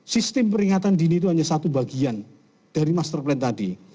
sistem peringatan dini itu hanya satu bagian dari master plan tadi